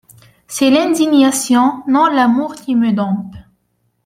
C'est l'indignation, non l'amour, qui me dompte ;